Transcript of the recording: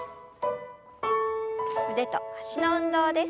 腕と脚の運動です。